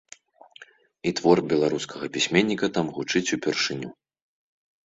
І твор беларускага пісьменніка там гучыць упершыню.